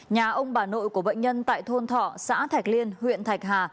nhà ông bà nội của bệnh nhân tại thôn thọ xã thạch liên huyện thạch hà